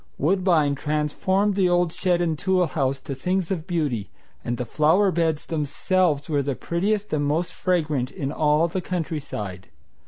Woodbine transformed the old shed and tool house to things of beauty, and the flower beds themselves were the prettiest and most fragrant in all the countryside.